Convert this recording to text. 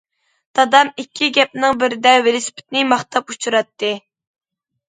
دادام ئىككى گەپنىڭ بىرىدە ۋېلىسىپىتىنى ماختاپ ئۇچۇراتتى.